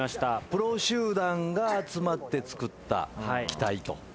プロ集団が集まって作った機体と。